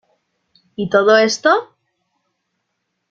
¿ y todo esto?